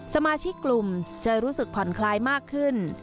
สมาชิกกลุ่มจะรู้สึกผ่อนคลายมากขึ้น